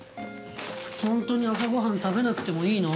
ホントに朝ご飯食べなくてもいいの？